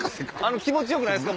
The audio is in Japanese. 気持ち良くないっすか？